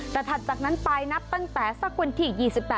แต่ถัดจากนั้นไปนับตั้งแต่สักวันที่๒๘